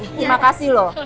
terima kasih loh